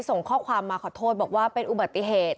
ส่งข้อความมาขอโทษบอกว่าเป็นอุบัติเหตุ